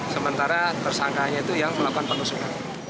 sementara tersangkanya itu yang ke delapan pak nusuk